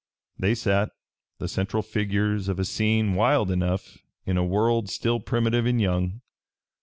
They sat, the central figures of a scene wild enough, in a world still primitive and young.